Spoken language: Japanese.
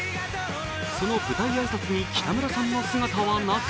その舞台挨拶に北村さんの姿はなく